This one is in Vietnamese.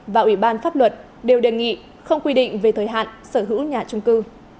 và ủy ban pháp luật đều đề nghị không quy định về thời hạn sở hữu nhà trung cư